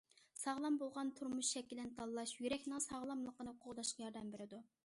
ساغلام بولغان تۇرمۇش شەكلىنى تاللاش، يۈرەكنىڭ ساغلاملىقىنى قوغداشقا ياردەم بېرىدۇ.